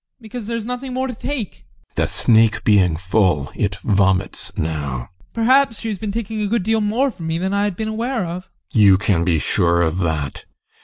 Because there is nothing more to take. GUSTAV. The snake being full, it vomits now. ADOLPH. Perhaps she has been taking a good deal more from me than I have been aware of? GUSTAV. You can be sure of that.